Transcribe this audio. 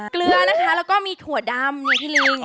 เกลือนะคะแล้วก็มีถั่วดำเนี่ยพี่ลิง